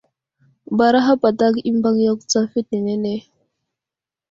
Baraha patak i mbaŋ yakw tsa fetenene.